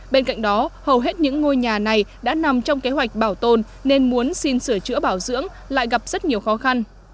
bên cạnh đó hầu hết những ngôi nhà này đã nằm trong kế hoạch bảo tồn nên muốn xin sửa chữa bảo dưỡng lại gặp rất nhiều khó khăn